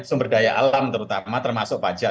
sumber daya alam terutama termasuk pajak